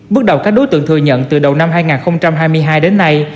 bước đầu các đối tượng thừa nhận từ đầu năm hai nghìn hai mươi hai đến nay